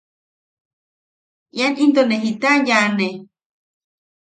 ¿Ian into ne jita yaane?